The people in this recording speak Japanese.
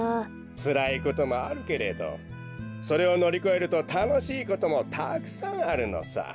つらいこともあるけれどそれをのりこえるとたのしいこともたくさんあるのさ。